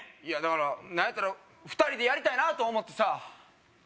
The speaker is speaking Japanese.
いやだから何やったら２人でやりたいなと思ってさ